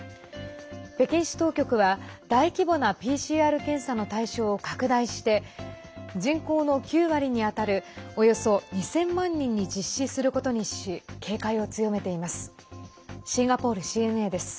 北京市当局は大規模なＰＣＲ検査の対象を拡大して人口の９割に当たるおよそ２０００万人に実施することにし警戒を強めています。